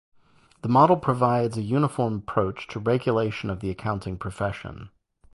The model provides a uniform approach to regulation of the accounting profession.